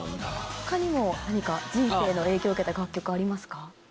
ほかにも何か、人生の影響を受けた楽曲ありますか？